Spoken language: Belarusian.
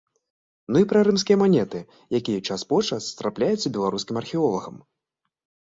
Ну і пра рымскія манеты, якія час-почас трапляюцца беларускім археолагам.